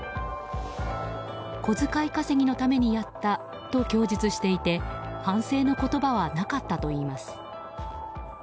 小遣い稼ぎのためにやったと供述していて反省の言葉はなかったといいます。